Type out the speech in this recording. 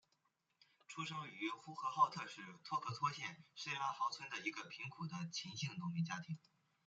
出生于呼和浩特市托克托县什拉毫村一个贫苦的秦姓农民家庭。